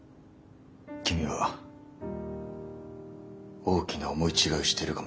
君は大きな思い違いをしているかもしれない。